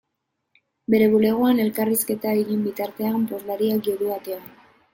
Bere bulegoan elkarrizketa egin bitartean, postariak jo du atea.